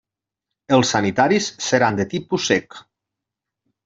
Els sanitaris seran de tipus sec.